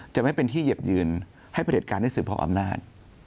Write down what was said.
จะไม่เป็นที่เหยียบยืนให้ประเด็จการได้สืบพออำนาจ